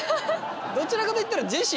どちらかといったらジェシー